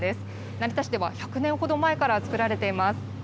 成田市では１００年ほど前から作られています。